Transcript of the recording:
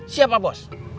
siap pak bos